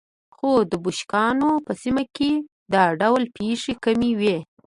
خو د بوشنګانو په سیمه کې دا ډول پېښې کمې وې.